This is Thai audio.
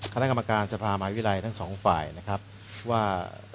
คะแท่งกรรมการสรรพาหมาวิไรทั้ง๒ฝ่ายนะครับว่า